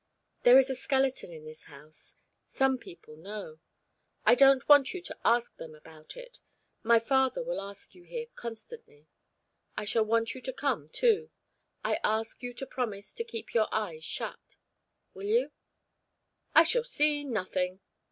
There is a skeleton in this house. Some people know. I don't want you to ask them about it. My father will ask you here constantly. I shall want you to come, too. I ask you to promise to keep your eyes shut. Will you?" "I shall see nothing.